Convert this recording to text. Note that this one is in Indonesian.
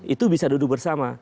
itu bisa duduk bersama